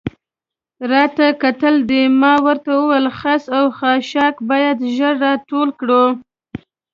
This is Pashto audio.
راته کتل دې؟ ما ورته وویل: خس او خاشاک باید ژر را ټول کړو.